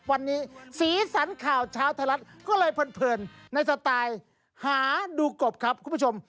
วันนี้สีสันข่าวเช้าไทยรัฐก็เลยเพลินในสไตล์หาดูกบครับคุณผู้ชม